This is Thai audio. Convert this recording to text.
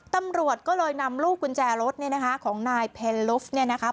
ตำรวจก็เลยนำลูกกุญแจรถเนี่ยนะคะของนายเพนลุฟเนี่ยนะคะ